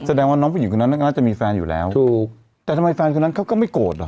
น้องผู้หญิงคนนั้นก็น่าจะมีแฟนอยู่แล้วถูกแต่ทำไมแฟนคนนั้นเขาก็ไม่โกรธเหรอ